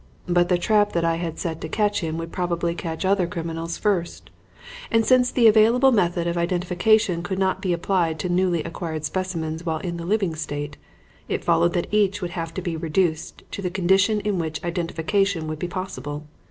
But the trap that I set to catch him would probably catch other criminals first; and since the available method of identification could not be applied to newly acquired specimens while in the living state, it followed that each would have to be reduced to the condition in which identification would be possible.